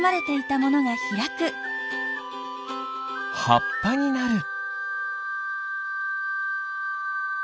はっぱになる。